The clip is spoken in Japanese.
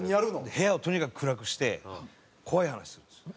部屋をとにかく暗くして怖い話するんですよね。